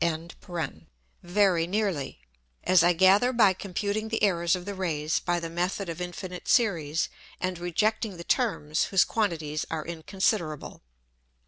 _ very nearly,[H] as I gather by computing the Errors of the Rays by the Method of infinite Series, and rejecting the Terms, whose Quantities are inconsiderable.